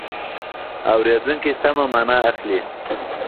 اورېدونکی سمه مانا اخلي.